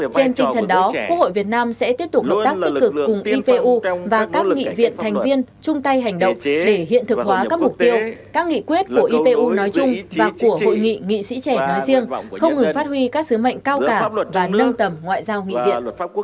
trên tinh thần đó quốc hội việt nam sẽ tiếp tục hợp tác tích cực cùng ipu và các nghị viện thành viên chung tay hành động để hiện thực hóa các mục tiêu các nghị quyết của ipu nói chung và của hội nghị nghị sĩ trẻ nói riêng không ngừng phát huy các sứ mệnh cao cả và nâng tầm ngoại giao nghị viện